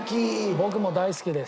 僕も大好きです。